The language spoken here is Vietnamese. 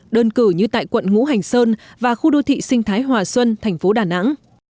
từ như tại quận ngũ hành sơn và khu đô thị sinh thái hòa xuân thành phố đà nẵng